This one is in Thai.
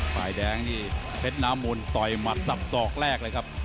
ฝ่ายแดงนี่เพชรน้ำมนต์ต่อยหมัดสับสอกแรกเลยครับ